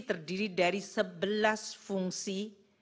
terdiri dari sebelas fungsi